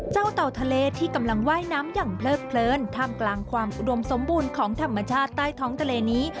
เต่าทะเลที่กำลังว่ายน้ำอย่างเพลิดเพลินท่ามกลางความอุดมสมบูรณ์ของธรรมชาติใต้ท้องทะเลนี้